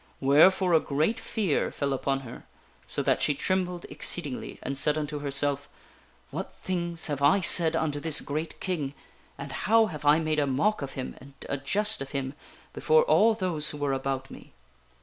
Wherefore a great fear fell upon her so that she trembled exceedingly, and said unto herself :" What things have I said unto this great King, and how have I made a mock of him and a jest of him before all those who were about me